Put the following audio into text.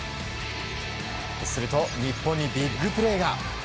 すると、日本にビッグプレーが。